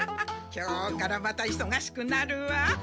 今日からまたいそがしくなるわ。